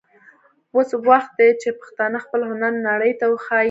اوس وخت دی چې پښتانه خپل هنر نړۍ ته وښايي.